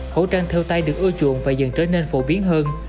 khẩu trang theo tay được ưa chuộng và dần trở nên phổ biến hơn